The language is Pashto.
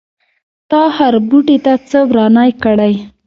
تا خربوټي څه ورانی کړی.